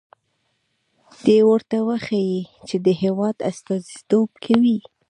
دې ورته وښيي چې د هېواد استازیتوب کوي.